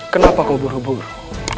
kenapa kau buru buru